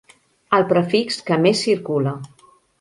El prefix que més circula.